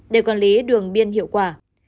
để quản lý đường biên hiệu quả